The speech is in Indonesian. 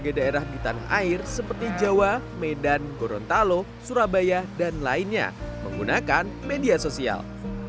berbagai daerah di tanah air seperti jawa medan gorontalo surabaya dan lainnya menggunakan media sosial